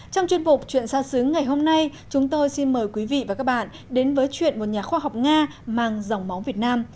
trong chuyên mục chuyện xa xứ ngày hôm nay chúng tôi xin mời quý vị và các bạn đến với chuyện một nhà khoa học nga mang dòng máu việt nam